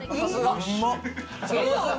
うまっ。